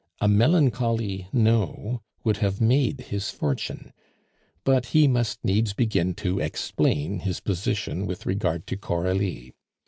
A melancholy "No" would have made his fortune, but he must needs begin to explain his position with regard to Coralie.